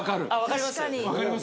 分かります？